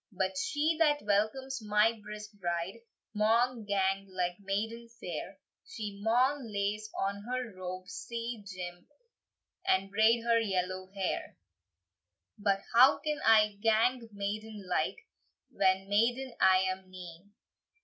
"But she that welcomes my brisk bride Maun gang like maiden fair; She maun lace on her robe sae jimp, And braid her yellow hair." "But how can I gang maiden like, When maiden I am nane?